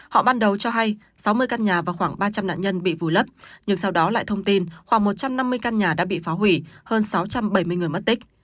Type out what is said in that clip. họ ban đầu cho hay sáu mươi căn nhà và khoảng ba trăm linh nạn nhân bị vùi lấp nhưng sau đó lại thông tin khoảng một trăm năm mươi căn nhà đã bị phá hủy hơn sáu trăm bảy mươi người mất tích